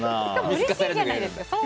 うれしいんじゃないですか？